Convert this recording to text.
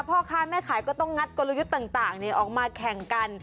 พ่อค้าแม่ขายก็ต้องงัดกลยุทธ์ต่างออกมาแข่งกัน